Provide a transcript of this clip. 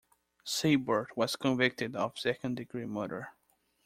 Seibert was convicted of second-degree murder.